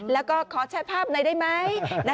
แล้วก็ขอแชะภาพหน่อยได้ไหม